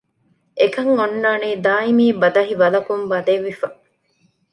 އެކަން އޮންނާނީ ދާއިމީ ބަދަހި ވަލަކުން ބަނދެވިފަ